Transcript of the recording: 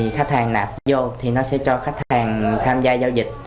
khách hàng nạp vô thì nó sẽ cho khách hàng tham gia giao dịch